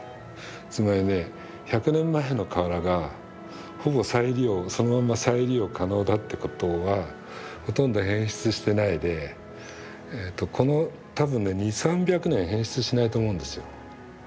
つまりね１００年前の瓦がほぼ再利用そのまま再利用可能だってことはほとんど変質してないでこの多分ね２００３００年変質しないと思うんですよ。